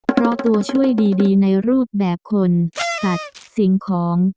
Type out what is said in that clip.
เพราะตัวช่วยดีในรูปแบบคนสัตว์สิ่งของ